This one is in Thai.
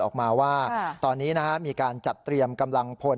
ออกมาว่าตอนนี้มีการจัดเตรียมกำลังพล